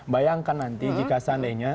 bayangkan nanti jika seandainya